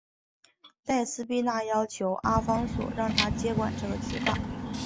黛丝碧娜要求阿方索让她接管这个计画。